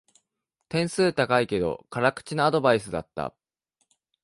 点数高いけど辛口なアドバイスだった